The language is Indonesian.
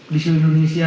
di seluruh indonesia